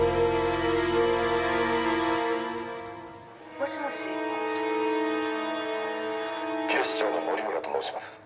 「もしもし」「警視長の森村と申します。